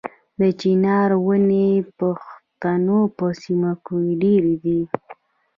د چنار ونې د پښتنو په سیمو کې ډیرې دي.